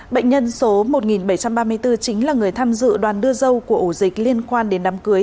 bệnh nhân số một nghìn bảy trăm ba mươi bốn chính là người tham dự đoàn đưa dâu của ổ dịch liên quan đến đám cưới